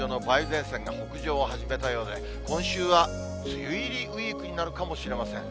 前線が北上を始めたようで、今週は梅雨入りウィークになるかもしれません。